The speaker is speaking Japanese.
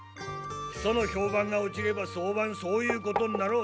木曽の評判が落ちれば早晩そういうことになろうな。